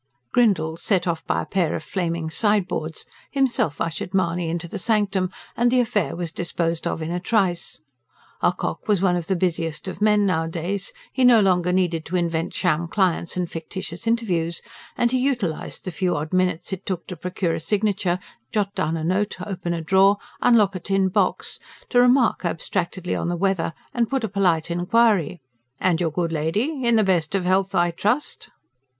Grindle, set off by a pair of flaming "sideboards," himself ushered Mahony into the sanctum, and the affair was disposed of in a trice. Ocock was one of the busiest of men nowadays he no longer needed to invent sham clients and fictitious interviews and he utilised the few odd minutes it took to procure a signature, jot down a note, open a drawer, unlock a tin box to remark abstractedly on the weather and put a polite inquiry: "And your good lady? In the best of health, I trust?"